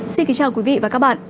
xin kính chào quý vị và các bạn